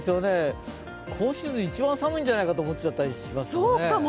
今シーズン一番寒いんじゃないかと思ったりしますね。